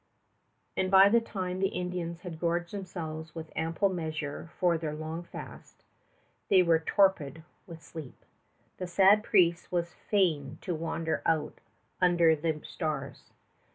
And by the time the Indians had gorged themselves with ample measure for their long fast, they were torpid with sleep. The sad priest was fain to wander out under the stars.